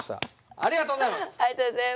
ありがとうございます。